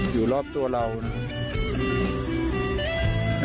อยู่รอบตัวเรานะครับ